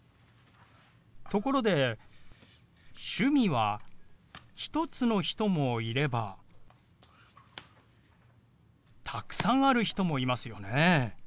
ところで趣味は１つの人もいればたくさんある人もいますよね。